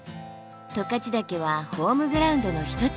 十勝岳はホームグラウンドの一つ。